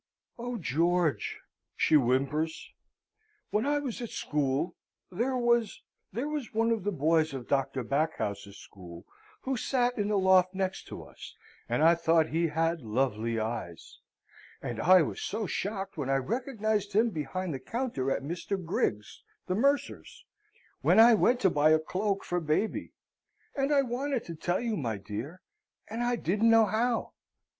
"Oh, George," she whimpers, "when I was at school, there was there was one of the boys of Doctor Backhouse's school, who sate in the loft next to us; and I thought he had lovely eyes, and I was so shocked when I recognised him behind the counter at Mr. Grigg's the mercer's, when I went to buy a cloak for baby, and I wanted to tell you, my dear, and I didn't know how!"